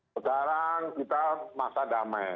sekarang kita masa damai